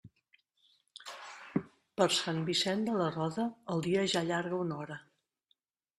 Per Sant Vicent de la Roda, el dia ja allarga una hora.